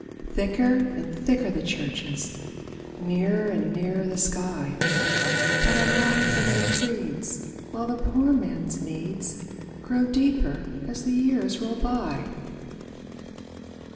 Thicker and thicker the churches, Nearer and nearer the sky— But alack for their creeds while the poor man's needs Grow deeper as years roll by!